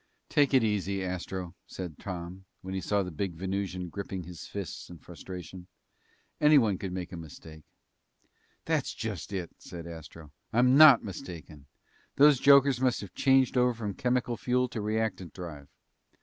"Take it easy, Astro," said Tom, when he saw the big Venusian gripping his fists in frustration. "Anyone could make a mistake." "That's just it," said Astro. "I'm not mistaken! Those jokers must have changed over from chemical fuel to reactant drive!"